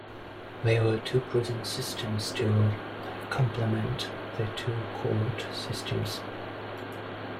There were two prison systems to complement the two court systems.